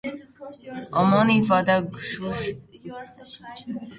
Omoni wadaghusha mapema eri uw'uke na kesho.